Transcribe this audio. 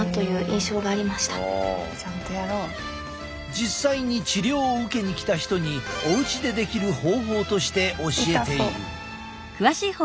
実際に治療を受けに来た人におうちでできる方法として教えている。